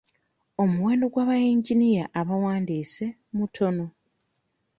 Omuwendo gwa bayinginiya abawandiise mutono.